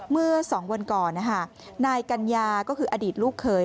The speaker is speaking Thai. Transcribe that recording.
เมื่อ๒วันก่อนนายกัญญาก็คืออดีตลูกเคย